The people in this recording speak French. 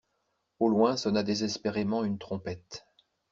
Au loin sonna désespérément une trompette.